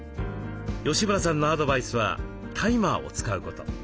吉村さんのアドバイスはタイマーを使うこと。